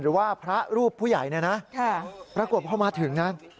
หรือว่าพระรูปผู้ใหญ่เนี่ยนะปรากฏพอมาถึงนะ